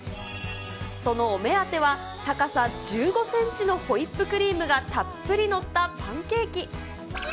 そのお目当ては、高さ１５センチのホイップクリームがたっぷり載ったパンケーキ。